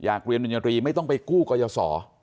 อยากเรียนบริญญาณรีไม่ต้องไปกู้กรยาศอรัย